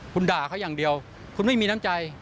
คุณด่าเขาอย่างเดียวคุณไม่มีน้ำใจ